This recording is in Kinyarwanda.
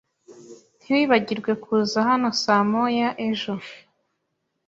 Ntiwibagirwe kuza hano saa moya ejo.